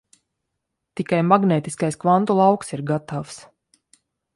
Tikai magnētiskais kvantu lauks ir gatavs.